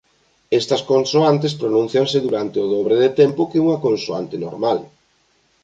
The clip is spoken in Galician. Estas consoantes pronúnciase durante o dobre de tempo que unha consoante normal.